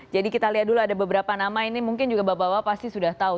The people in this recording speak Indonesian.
jadi kita lihat dulu ada beberapa nama ini mungkin juga bapak bapak pasti sudah tahu